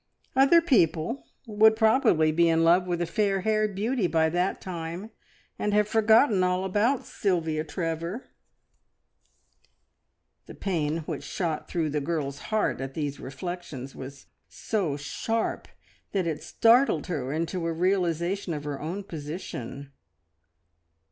Other people would probably be in love with a fair haired beauty by that time, and have forgotten all about Sylvia Trevor! The pain which shot through the girl's heart at these reflections was so sharp that it startled her into a realisation of her own position.